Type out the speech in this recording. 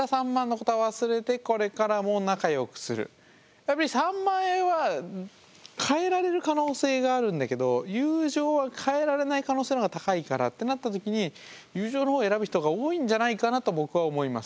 やっぱり３万円は代えられる可能性があるんだけど友情は代えられない可能性のほうが高いからってなったときに友情のほうを選ぶ人が多いんじゃないかなと僕は思います。